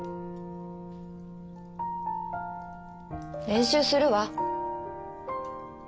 練習するわ。